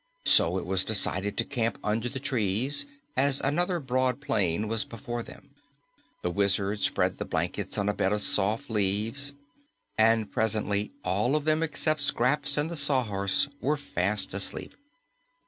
So it was decided to camp under the trees, as another broad plain was before them. The Wizard spread the blankets on a bed of soft leaves, and presently all of them except Scraps and the Sawhorse were fast asleep.